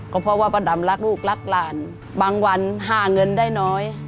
ก็เพราะว่าป้าดำรักลูกรักหลานบางวันหาเงินได้น้อย